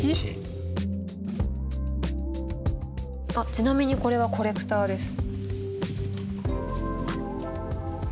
ちなみにこれは「コレクター」です。